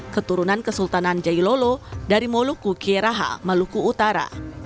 keturunan kesultanan jailolo dari moluku kieraha maluku utara